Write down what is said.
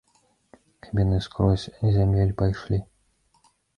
Каб яны скрозь зямель пайшлі!